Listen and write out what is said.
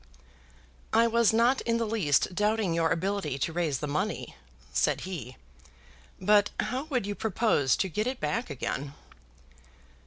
"I was not in the least doubting your ability to raise the money," said he; "but how would you propose to get it back again?"